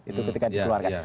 itu ketika dikeluarkan